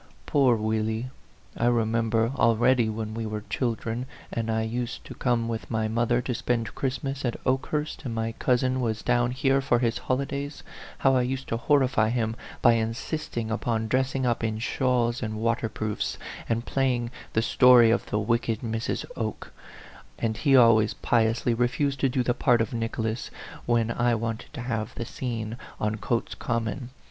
Poor Willie ! I remember already when we were children, and I used to come with my mother to spend Christmas at Okehurst, and my cousin was down here for his holidays, how I used to horrify him by insisting upon dressing up in shawls and waterproofs, and playing the story of the wicked Mrs. Oke ; 4 50 A PHANTOM LOVER. and he always piously refused to do the part of Nicholas, when I wanted to have the scene on Cotes Common.